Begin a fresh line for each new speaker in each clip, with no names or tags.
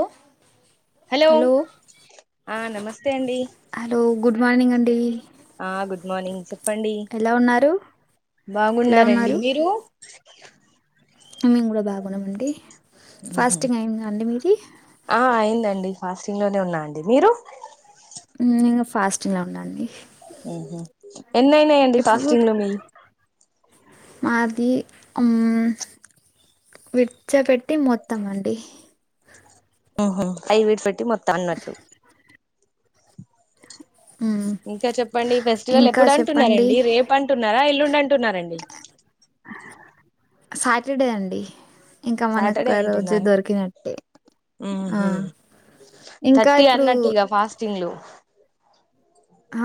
ఓ
hello ఆ నమస్తే అండి
హలో గుడ్ మార్నింగ్ అండి
ఆ గుడ్ మార్నింగ్ చోప్ ప్పండి
ఎలా ఉన్నారు ఎలా
బాగున్నారండి
ఉన్నారు
మీరు
మేము కూడా బాగున్నామండి ఫాస్టింగ్ అయింద అండి మీది
నండి ఫాస్టింగ్ లోనే ఉన్నా అండి మీరు
ఇన్ ఫాస్టింగ్లో ఉన్ననండి
ఎన్ని అయినాయండి
ఇప్పుడు
ఫాస్టింగ్ లో మీక్
మాది హ్మ్ విడిచపెట్టి మొత్తం అండి
ఓహో ఫైవ్ విడిసి పెట్టి మొత్ తన్నట్టు
మ్మ్
ఇంకా చెప్పండి ఫెస్టివల్
ఇంకా
ఎప్పుడు
చెప్పండి
అంటున్నారండి రేపు అంటున్నారా ఇల్లున్ అంటున్నారండి
సాటర్డే అండి ఇంకా మనకు
సాటర్డే
ఒక రోజు
అంటున్నారా
దొరికినట్టే
ఉ
ఆ
హో
ఇంకా
థర్టీ
ఇప్పుడు
అన్నట్టిగా ఫాస్టింగ్లూ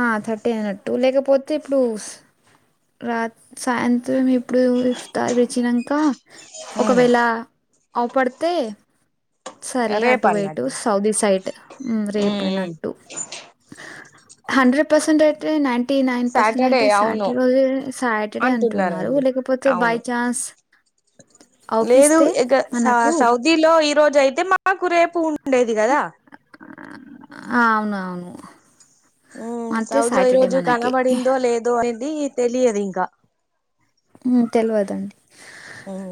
ఆ థర్టీ అయిన టూ లేకపోతే ఇప్పుడుస్ రాత్ సాయంత్రం ఇప్ ఇప్పుడు ఇఫ్తార్ విచ్చినంకా
ఉమ్
ఒకవేళ అవ్ పడతే సరే
రేపు
అటు వైటు
అన్నట్టు
సౌదీ సైట్
ఉమ్ ఉమ్
రేపుయినట్టు హండ్రెడ్ పర్సెట్ అయితే నేటీ నైన్ పర్సెంట్
సాటర్డే
అయితే
అవును
సాటర్డే రోజు సాటర్డే అంటున్నారు
అంటున్నారండి
లేకపోతే బై
అవును
చాన్స్
లేదు ఇక
మనకు
సౌదీలో ఈ రోజు అయితే మా నాకు రేపు ఉండేది కదా
అవును అవును
ఉ
అంటే
సౌదీ లో ఈ
సాటర్డే
రోజు
మనకి
కనబడిందో లేదో ఇది తెలియదు ఇక
తెలియదండి
ఉమ్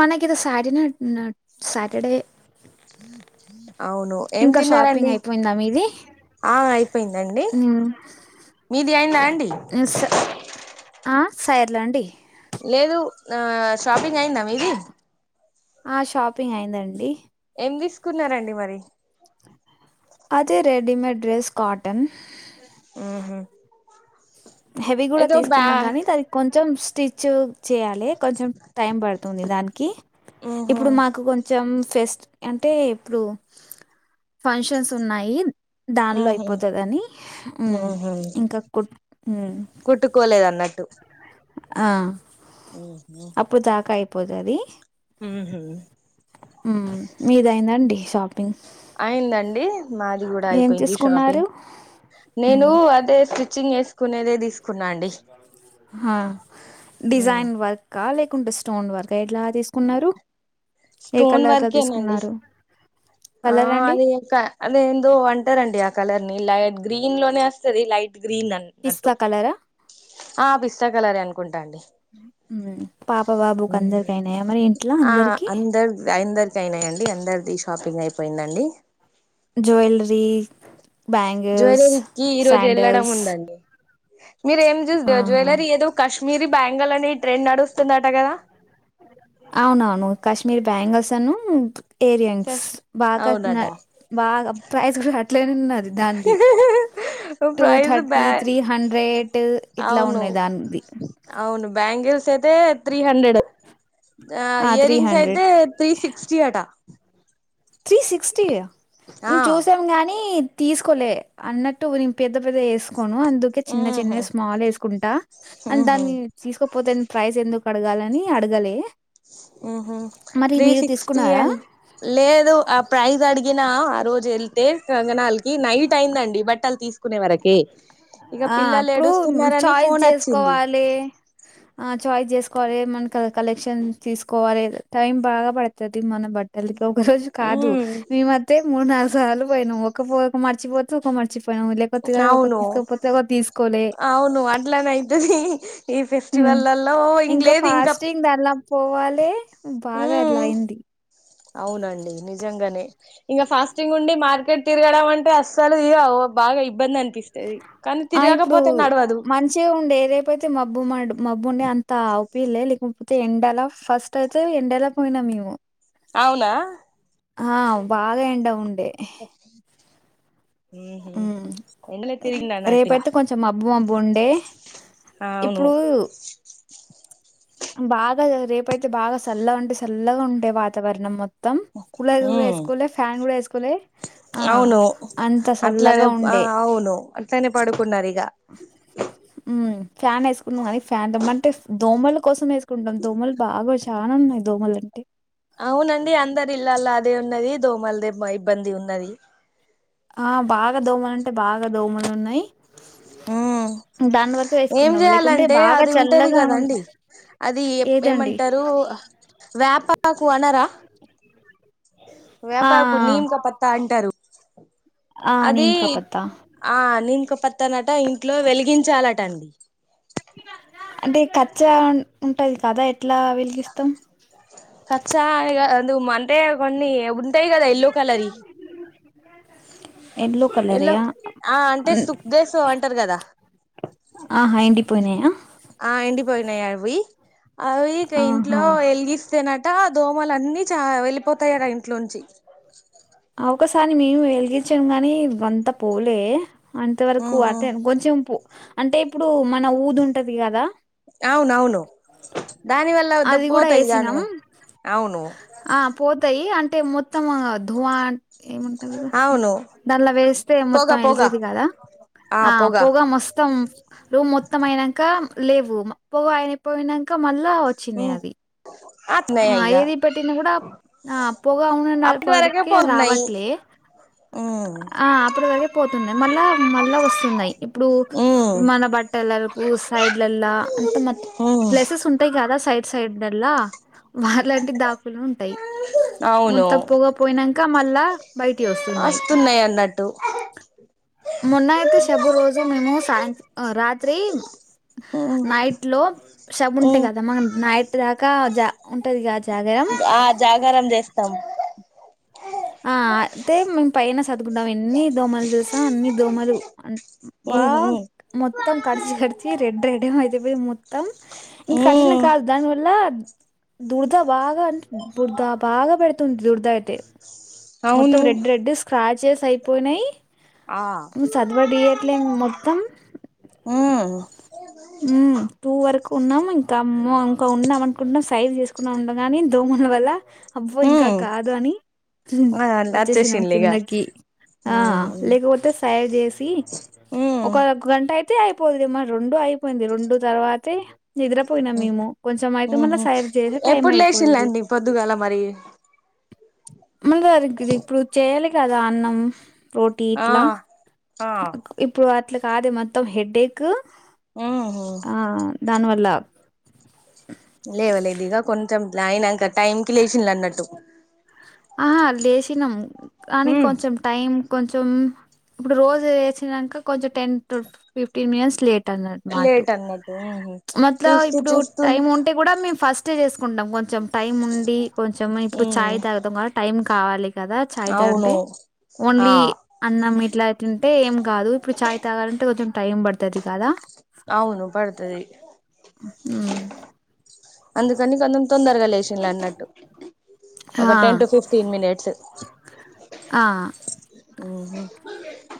మనకు సాటర్డే అంటున్నారు సాటర్డే
ఫోన్ సైలెంట్ సౌండ్ అవును ఏం
ఇంకా షాపింగ్
తిన్నారండి
అయిపోయిందా మీది
ఆ అయిపోయిందండి మీది అయిందా అండి
సార్లా అండి
లేదు ఆ షాపింగ్ అయిందా మీ ది
ఆ షాపింగ్ అయిందండి
ఏం తీసుకున్నారండి మరి
అది రెడిమేడ్ డ్రెస్ కాటన్
ఉ హా
హెవీ కూడా తీసుకున్నాం గానీ దాని కొంచెం తెచ్చు చేయాలి కొంచెం టైం పడుతుంది దానికి
ఉహు
ఇప్పుడు మాకు కొంచెం ఫెస్ట్ అంటే ఇప్పుడు ఫంక్షన్స్ ఉన్నాయి దానిలో
ఉహు
అయిపోతదని ఊ
ఉహు
ఇంకా కుట్ ఉ
కుట్టుకోలేదు అన్నట్టు
ఆ
ఉ హు
పోతది ఉ మీదయిందండి షాపింగ్
అయిందండి మాది కూడా
ఏం
అయిపోయింది
తీసుకున్నారు
షాపింగ్
ఉమ్
నేను అదే స్టిచ్చింగ్ వేసుకునేదే తీసుకున్నా అండి
హ డిజైన్ వర్క్ లేక స్టోన్ వర్క్ ఎట్లా తీసుకున్నారు ఏ
స్టోన్
కలర్ లో
వర్కేనండి
తీసుకున్నారు
ఆ
కలర్ అండి
అది అద ఏందోఅంటారండి ఆ కలర్ ని లాయా గ్రీన్ లోనే వస్తుంది లైట్ గ్రీన్
పిస్తా
అన్నట్టు
కలరా
ఆ పిస్తా కలరే అనుకుంటాండి
మ్మ్. పాప బాబుకి అందరికి అయినాయా మరి ఇంట్లో అందరికి
అందరి అందరికి అయినాడి అందరు తీసు షాపింగ్ అయి అ పోయిదా అండి
జువలరి
జువెలరీకిి ఈరోజు వెళ్ళడం ఉందండి మీరేం చేూ
ఆహా
జ్యవలరీ ఏదో కాశ్మీర బెంగాల్ అని ఈ ట్రెండ్ నడుస్తుందట కదా
అవునవును కాశ్మీర్ బ్యాంగల్స్ను ఏరియన్స్ బాగా
అవునట
బాగా ప్రైస్ కూడా అట్లనే ఉన్నది దానిది టూ
ప్రైజ్
థర్టీ
బ్యా
త్రీ హండ్రెడ్ ఇట్లా
అవును
ఉన్నాయి దానిది
అవును బ్యాంగిల్స్ అయితే త్రీ హండ్రెడ్
ఆ
ఇయర్
త్రీ
రింగ్స్ అయితే
హండ్రెడ్
త్రీ సిక్స్టీ అట
త్రీ సిక్స్టీ
ఆ
నేను చూసాం గానీ తీసుకోలే అన్నట్టు నను పెద్ద పెద్ద వేసుకో ను అందుకే చిన్న
ఉహు
చిన్న స్మాల్ వేసుకుంటా అం
ఉహు
దాన్ని తీసుకోపోతే ప్రైస్ ఎందుకు కడగాలని అడగాలి
ఉహు త్రీ సిక్స్టీ
తీసుకున్నారా
అం లేదు ప్రైజ్ అడ్గ నా ఆ రోజు వెళ్తే అనా అ ఈ నైట్ అయిందండి బట్ అలు తీసుకు కునే వరకి ఇక
ఆ
పిల్లలు
ఇప్పుడు
ఏడుస్తున్నారని
చాయిస్
ఫోన్ వచ్చింది
చేసుకోవాలి ఆ చాయిస్ చేసుకోవాలి మన కలెక్షన్ తీసుకోవాలి టైం బాగా పడుతుంది మనం బట్టలకి ఒక రోజు కాదు
ఉమ్
మేమత్తె మూడు నాలుగు సార్లు పోయినా్ ఒక ఒక మచపోతతు ఒక మర్చిపో లేకపోగా ఒక
అవును
తీసుకపో
అవును అట్లనే అవుతుంది ఈ ఫెస్టివల్లో ఇంక లేదు ఇంకా
పోవాలే బాగా ఏట్ల
ఉమ్
అయింది
అవునండి నిజంగానే ఇంకా ఫాస్టింగ్ ఉండి మార్ క్క తిరగడం అంటే అసలు ఇ బాగా ఇబ్బంది అంత
ఆ ఇప్పుడు మంచిగా ఉండే రేపోయితే మబ్బ బ్బు మా మబ్బు ఉండే అంత అవుపిల్లే లేకపోతే ఎండలా ఫస్ట్ అయితే ఎండలా పోయినా మేము
అవునా
ఆ బాగా ఎండ ఉంది అంటే
ఉహు ఎండలో తిరిగిండు అన్నట్టుగా
రేపుయితే కొంచెం మబ్బు మబ్బు ఉండే
అవును
ఇప్పుడు బాగా రేపయితే బాగా చల్లగా ఉంటాే చల్లగా ఉంటే వాతావరణం మొత్తం మత్తం కుల
ఉమ్
వేసుకోలే ఫ్యాన్ కూడా వేసుకోలే ఆ
అవును
అంత చల్లగా ఉండే
తని పాడు
ఉ ఫ్యాన్ వేసుకుంటాం కానీ ఫ్యాన్ అంటే దోమలు కోసం వేసుకుంటాం దోమలు బాగా చా ఉన్నాయి దోమలు అంటే
అవునండి అందరి ఇల్లా అది ఉది దో మల్ ద మబ్బంది ఉది
ఆ బాగా దోమ అంట అంటే బాగా దోమలు ఉన్నాయి
ఉ ఏం
ఏసుకున్నాం. లేకుంటే
చేయాలంటే
బాగా
అది ఉంటది
చల్లగా ఉన్
కదండి అది
ఏదండి?
ఏమంటారు వేపాకు అనరా
ఆ!
వ్యాపారకు నిీంక పత్తా అంటారు
ఆ! ఆ!
అదే
నీమ్ కా పత్తా.
ఆ ని ఇక పత్తనట ఇంట్లో వెలిగించాలటండి
అంటే కచ్చ ఉంటది కదా ఎట్లా వెలిగిస్తాం
కచ్చా అందు అంటే కొన్ని ఉంటాయి కదా ఎయల్లో కలర్
ఎల్లోో
ఎల్లో
కలర్య
ఆ అంటే సుక్దేస్ అంటారు కదా
ఆహా హడిపోయినాయ
పోయినాయి ఊయి అవి ఇక ఇంట్లో
ఆహా!
వెలిగిస్తేనట్టు అంత దోమలు అన్నీ చ వెళ్ళిపోతాయి అంట ఇంట్లోంచి
అకసారి మేము వెలిగించాము గాని అంతా పూలే అంతవరకు
ఉహు
అటేండి కొంచెం ప అంటే ఇప్పుడు మన ఊదు ఉంటది కదా
అవునవును దాని వల్ల
అది
దబ్
కూడా
పోతాయి దాని
వేసినాం
అవును
ాయి అంటే మొత్తం గ్వాన్ ఏమంటారుది
అవును
దానిలా వేస్తే మొత్తం
పోగా పోగా
వెళ్తేది కదా ఆ పొగా మొస్తం రూం మొత్తం అయినంక లేవ్వు పొగ ఆగి పోయినంక మళ్ లో వచ్చినయి అది
అట్నే
ఆ
ఇగ
ఏది పెట్టినా కూడా ఆ పొగ [unintelligible]
అప్పటి వరకే
ప్పటికే
పోతున్నాయి
రావట్లే
ఉమ్
ఆ అప్పటి వరకే పోతుండే మళ్ళా మళ్ళా వస్ తున్నై ఇప్పుడు
ఉమ్
మన బట్టలరుకు పూ సై పిల్లల్లా అంత మొత్
ఉమ్
ప్లేసెస్ ఉంటాయి కదా సై సైడ్ డర్లా వాళ్లంటి దాకులు ఉంటాయి మత్తప్పగా పోయినం క మల్లా
అస్తున్నాయి అన్నట్టు
మొన్న అయితే శబ రోజూ మేము సాయంత్ రాత్రి
ఉమ్
నైట్ లో [inaudible] ఉంటి
ఉమ్
కదా మనం నైట్ దా కాజ ఉంటదిగా జాగరం.
ఆ జాగారం చేస్తాం
ఆ తే మేం పైన [unintelligible] ఎన్ని దోమలు తెలుసా అన్ని దోమలు బా
ఉమ్ ఉమ్
మొత్తం కరిచి కరిచి రెడ్ రెడ్డన అయిపోయి మొత్తం ఇంకా
ఉమ్
కరిచినంక దాని వల్ల దురద బాగా అంటే బురదా బాగా పెడుతుంది దురద అయితే మొత్తం
అవును
రెడ్ రెడ్ ప్రాచెస్ అయిపోయినాయి
ఆ
చదవడియట్లే మొత్తం
ఉమ్
ఉమ్ టూ వరకు ఉన్నాము ఇంకా అమ్మో ఇంకా ఉన్నాం అనుకుంటున్నాం సైవ్ చేసుకున్నా ఉన్నాం గాని దోమల వల్ల అబ్బో ఇంక
ఉమ్
కాదు అని హు
అలా
వచ్చేసినాం
వచ్చేసిండ్లిగా
కిందకి ఆ
ఉమ్
లేకపోతే సై చేసి
ఉమ్
ఒక గంటై తే అయిపోతుది మ రెండు అయిపోయింది రెండు తర్వాతే నిద్రపోయినా మేము కొంచెం అయితే మళ
ఉహు
సై
ఎప్పుడు లేసిల్లండి పొద్దుగాల మరి
[inaudible] ఇప్పుడు చెయ్యాలి కదా అన్నం రోటీ
ఆ
ఇట్లా
ఆ
ఇప్పుడ ట్లా కాదు మొత్తం హెడ్డేక్
ఉహు
ఆ దాని వల్ల
లేవ లేదు ఇగ కొంచెం [inaudible] టైం కి లేచిల్లు అన్నట్టు
ఆహా లేసినం కానీ
ఉమ్
కొంచెం టైం కొంచెం ఇప్పుడు రోజు వేసినాక కొంచెం ten to fifteen minutes late మాట
లేట్ అన్నట్టు ఉహు
మట్ల
చూస్తూ
ఇప్పుడు
చూస్తూ
టైం ఉంటే కూడా మే ఫస్ట్ రేస్ కుంటాం కొంచెం టైమ్ ఉండి కొంచెం
ఉమ్
ఇప్పుడు ాయ్ తాగం టైమ్ కావాలి కదా చాయద
అవును
అంటే
ఆ
ఓన్లీ అన్న ఇట్లా అట్ంటే ఏం కాదు ఇప్పుడు చాయ్ తాగాలంటే కొంచెం టైం పడుతుది కదా
అవును పడుతుది
అ
అందు కనీకి అంతం తొందరగా లేచిిన అన్నట్టు ఒక
హా
టెన్ టు ఫిఫ్టీన్ మినిట్స్
ఆ
ఉ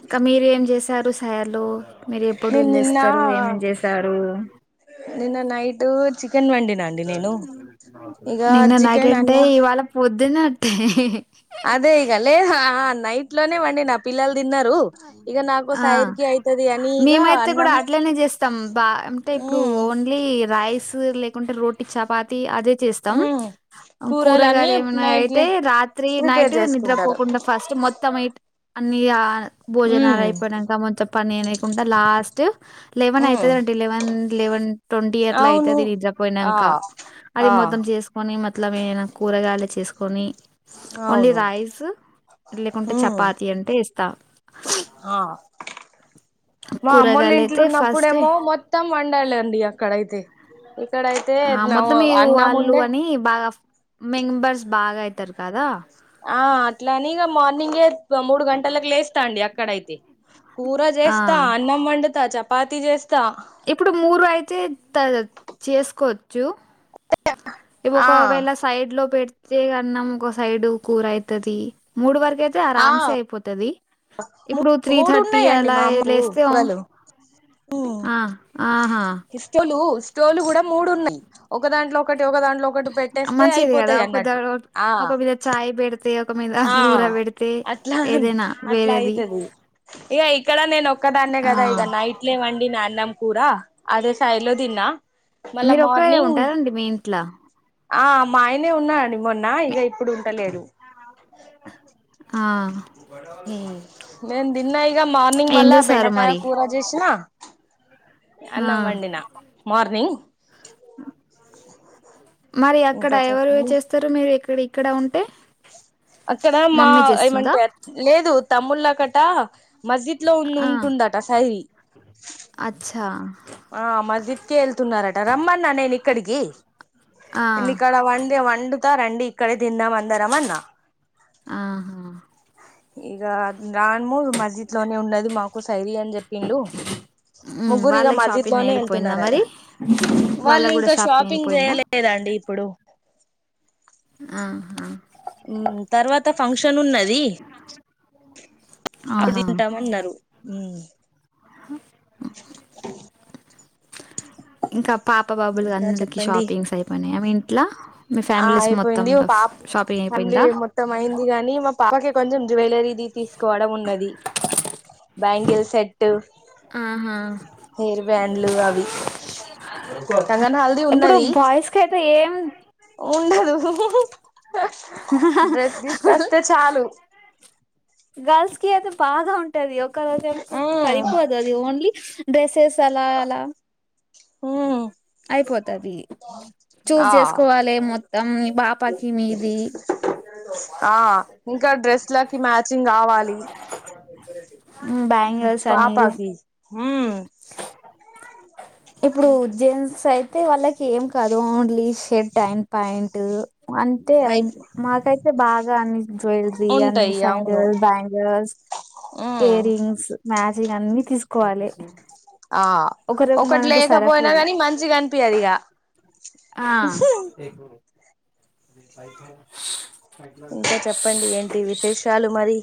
ఇంకా మీరు ఏం చేసారు సైలు మీరు
నేను
ఎప్పుడుళ్ళ
నిన్న
చేస్తారు ఏమం చేసారు
నిన్న నైట్ చికెన్ వండినా అండి నేను ఇగ
నిన్న
చికెన్
నైటంటే
అన్న
ఇవాళ పొద్దున
అదే ఈగలే ఇట్లోనే్వండి నా పిల్లలు తిన్నారు ఇగ నాకు
ఆ
సైడ్కి అయితది అని ఇగ
మేమైతే కూడా
అన్నం
అట్లనే చేస్తాం బా అంటే ఇప్పుడు
ఉమ్
ఓన్లీ రైస్ లే కుంటే రోటీటి చపాతి అదే చేస్తాం
ఉమ్ కూరలన్నీ
కూరగాయలు ఏమన్నా అయితే
నైట్లే
రాత్రి
ప్రిపేర్
నైట్
చేసుకుంటారు
నిద్రపోకుండా ఫస్ట్ మొత్తంయి అన్నియ భోజనాలు
ఉమ్
అయిపోయాక కొంచెం పనికుం లాస్ట్ లెవెన్
ఉమ్
అవుతుందిండి లెవెన్ లెవన్ ట్వంటీ ఎయర్లా
అవును
అయితేది
ఆ
నిద్రపోయినాక అది
ఆ
మొత్తం చేసుకుొని మతలం ఏనా కూరగాయలు చేసుకొని ఓన్లీ
అవును
రైస్ లేకుంటే చపాతి అంటే కుత్త
ఆా మా అమ్మలు
కూరగాయలు
ఇంట్లు
అయితే ఫస్ట్
ఉన్నప్పుడేమో మొత్తం వండాలండి అక్కడైతే ఇక్కడైతే
ఆ
నా
మొత్తం మీరు
అన్నం
వాళ్ళు
ఉండే
అని బాగా మెంబర్స్ బాగా అయితారు కదా
ఆ అట్లని మార్నింగే మూడు గంటలకు లేస్తా అండి అక్కడైతే కూర
ఆ
చేస్తా అన్నం వంట స్త చపాతి చేస్తా
ఇప్పుడు మూరు అయితే చేసుకోవచ్చు ఇవి
ఆ
ఒకవేళ సైడ్ లో పెడ్ ఒక సైడ్ అన్నం ఇంకొసైడ్ కూర అయితాది మూడు వరకు అయితే
ఆ
అరామ్సే అయిపోతది ఇప్పుడు త్రీ
మూడు
థర్టీ
ఉన్నాయండి
అలా
మా అమ్మకు
లేస్తే ఆ
కూరలు ఉమ్
ఆ ఆహా
ఇస్టోలు కూడా మూడు ఉన్నాయి ఒక దాంట్లో ఒకటి ఒక దాంట్లో ఒకటి పెట్టేస్తే
మంచిది కదా
అయిపోతాయి
కొద్ది
అన్నట్టు ఆ
ఒక మీద చాయ్ పెడితే ఒక మీద
ఆ
కూర పెడితే
అట్లా
ఏదైనా
అట్లా
వేరేది
అయితాది ఏ ఇక్కడ నేను ఒక్కదాన్నే
ఆ
కదా ఇక నైట్లే వండి నా అన్నం అదే సైజులో తిన్నా మళ్ళా
మీరు ఒకవేళ
మార్నింగ్
ఉంటారండి మీ ఇంట్లో
ఆ మా ఆయనే ఉన్నాడు మొన్నా ఇక ఇప్పుడు ఉంటలేదు
ఆ
నిను తిన్న ఈగ మార్నింగ్
ఏం
మళ్ళా
చేశారు
బెండకాయ
మరి
కూరా చేేసిన
ఆ
అన్నం వండిన మార్నింగ్
మరి అక్కడ
ఇంకా
ఎవరు
చెప్పండి
చేస్తారు మీవిక్ ఇక్కడ ఇక్కడ ఉంటే
అక్కడ మా
మమ్మీ చేస్తుందా
ఏమంటే లేదు తమ్ముల్ల కటా మసిద్ లో ఉం
ఆ
ఉంటుందట సైరి
అచ్చా
ఆ మసిద్ కే వెళ్తున్నారట
ఆ
ఎన్ని కడవాండ్లు ఎమాన్ పిండుతారండి ఇక్కడై తిన్నాం అందరం అన్న
ఆహా
ఇంక రాన్ రాను మళ్ళా మస్జిద్ లోనే ఉన్నది మాకు సైరీ అని చెప్పిండు
మ్మ్
ముగ్గురు ఇక
వాళ్ళకి
మజిద్
షాపింగ్
లోనే
అయిపోయిందా
వెళ్తున్నారు రట
మరి వాళ్ళ
వాళ్ళు
కూడా
ఇంకా షాపింగ్
అయిపోయిందా
చేయలేదాండి ఇప్పుడు
అవును
తర్వాత ఫంక్షన్ ఉన్నది అడ
ఆహా
తింటాము అన్నారు మ్మ్
అ ఇంకా పాప, బాబులు
ఇంకా
అందరికి
చెప్పండి
షాపింగ్స్ అయిపోయినాయ మీ లా
ఆ అయిపోయింది ఒక పాప ఫ్యామిలీ
అయిపోయిందా
మొత్తం అయింది గాని మా పాపకి కొంచెం జువెలరీది తీసుకోవడం ఉన్నది బ్యాంగిల్ సెట్
ఆహా
హెయిర్ బ్యాండ్లు అవి కంగన్ హల్దీ
ఇప్పుడు
ఉన్నది
బాయిస్ కయితే ఏం
ఉండదు డ్రెస్ తీసుకొస్తే చాలు
గల్స్ కి అది బాగా ఉంటది ఒక్కరోజు
మ్మ్
సరిపోదు అది ఓన్లీ డ్రెసెస్ అలా అలా
ఉ
అయిపోతది చూస్
ఆ
చేసుకోవాలి మొత్తం మీ పాపకి మీది
ఆ ఇంకా డ్రెస్ లకి మ్యాచింగ్ కావాలి
బ్యాంగిల్స్ అని
పాపకి ఉ
ఇప్పుడు జెంట్స్ అయి టే వాళ్లకి ఏం కాదు ఓన్లీ షర్ట్ అండ్ ప్యాంట్ అంటే
అయి
మాకైతే బాగా అన్ని జువెలరీ అన్ని
ఉంటాయి అవును
సైండిల్ బ్యాంగల్స్,
మ్మ్
ఇయర్ రింగ్స్, మ్యాచ్ ఇగ అన్నీ తీసుకోవాలే
ఆ ఒకటి లేకపోయినా కాని మంచిగా అనిపిియదు ఇగ
రేపాైఫ
ఇంకా చెప్పండి ఏంటి విశేషాలు మరి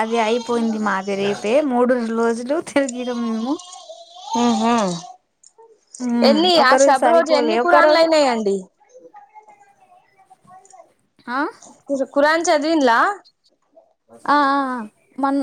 అది అయిపోయింది మాది రేపే మూడు రోజులు తిరిగిన మేము
ఉహు
ఉమ్
ఎన్ని
ఒక
ఆ శబ రోజు
సరిపోలే
ఎన్ని
ఒక
కురాన్లు
రోజు
అయినాయండి
ఆ
కు కురాన్ చదివిన్లా
ఆ ఆ మన్